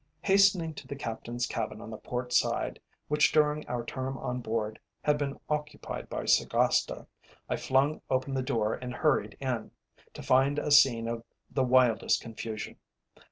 Hastening to the Captain's cabin on the port side, which during our term on board had been occupied by Sargasta, I flung open the door and hurried in, to find a scene of the wildest confusion.